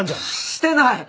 してない！